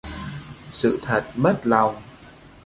Sự thật mất lòng